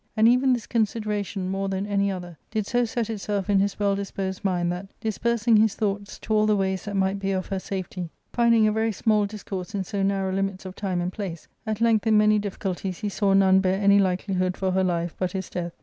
And even this consideration* more than any other, did so set itself in his well disposed mind that, dispersing his thoughts to all the ways that might be of her safety, finding a very small discourse in so narrow limits of time and place, at length in many difficulties he saw none bear any likelihood for her life but his death.